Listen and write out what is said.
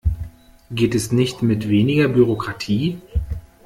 Geht es nicht mit weniger Bürokratie?